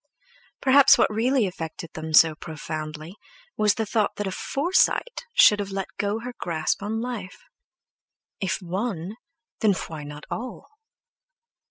Perhaps what really affected them so profoundly was the thought that a Forsyte should have let go her grasp on life. If one, then why not all!